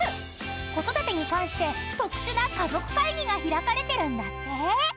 ［子育てに関して特殊な家族会議が開かれてるんだって］